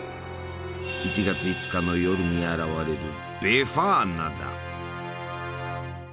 １月５日の夜に現れるベファーナだ！